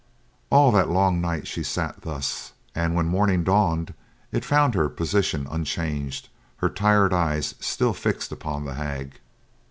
All that long night she sat thus, and when morning dawned, it found her position unchanged, her tired eyes still fixed upon the hag.